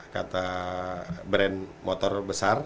kata brand motor besar